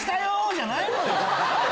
じゃないのよ！